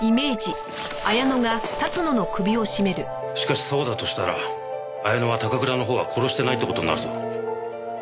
しかしそうだとしたら彩乃は高倉のほうは殺してないって事になるぞ。